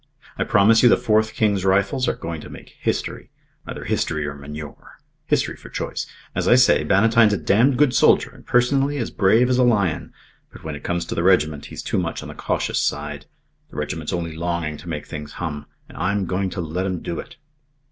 I promise you the Fourth King's Rifles are going to make history. Either history or manure. History for choice. As I say, Bannatyne's a damned good soldier, and personally as brave as a lion, but when it comes to the regiment, he's too much on the cautious side. The regiment's only longing to make things hum, and I'm going to let 'em do it."